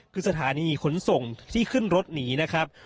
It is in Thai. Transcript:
คือสถานีขนส่งที่ขึ้นรถหนีนะครับ